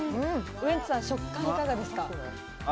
ウエンツさん、食感はいかがですか？